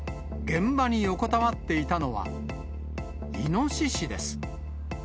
現場に横たわっていたのは、イノシシです。